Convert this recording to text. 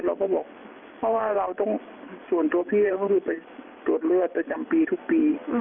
เราก็บอกเพราะว่าเราต้องส่วนตัวพี่ก็คือไปตรวจเลือดประจำปีทุกปี